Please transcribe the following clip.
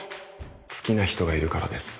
好きな人がいるからです